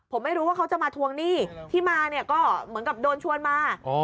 ผมไม่รู้ว่าเขาจะมาทวงหนี้ที่มาเนี่ยก็เหมือนกับโดนชวนมา